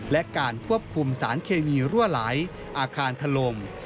และการควบคุมสารเคมีรั่วไหลอาคารถล่ม